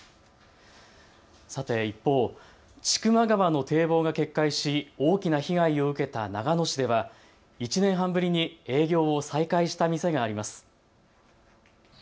さて一方、千曲川の堤防が決壊し大きな被害を受けた長野市では１年半ぶりに営業を再開した店があります。